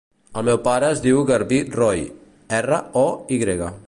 El meu pare es diu Garbí Roy: erra, o, i grega.